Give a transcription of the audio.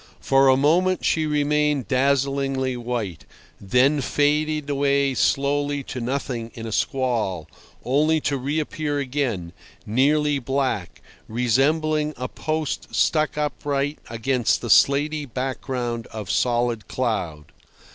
For a moment she remained dazzlingly white, then faded away slowly to nothing in a squall, only to reappear again, nearly black, resembling a post stuck upright against the slaty background of solid cloud.